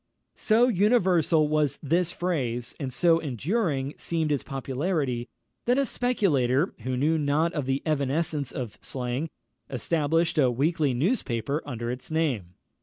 So universal was this phrase, and so enduring seemed its popularity, that a speculator, who knew not the evanescence of slang, established a weekly newspaper under its name.